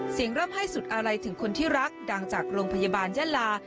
ร่ำให้สุดอะไรถึงคนที่รักดังจากโรงพยาบาลยะลา